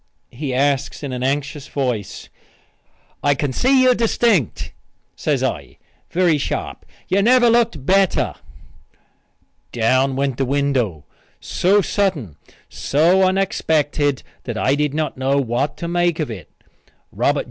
he asks in an anxious voice. "I can see you distinct," says I, very sharp. "You never looked better." Down went the window so sudden, so unexpected that I did not know what to make of it. Robert J.